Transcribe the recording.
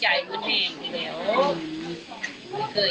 อยากให้สังคมรับรู้ด้วย